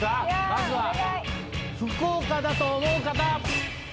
まずは福岡だと思う方。